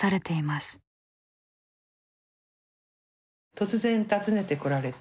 突然訪ねて来られて。